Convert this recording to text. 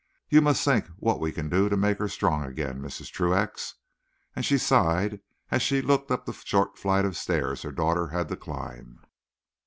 You must think what we can do to make her strong again, Mrs. Truax." And she sighed as she looked up the short flight of stairs her daughter had to climb.